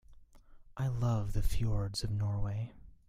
I love the fjords of Norway.